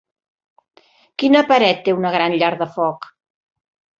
Quina paret té una gran llar de foc?